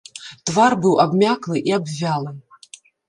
Твар быў абмяклы і абвялы.